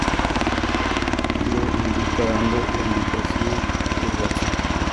Hiro indica a Ando la habitación de "Watson".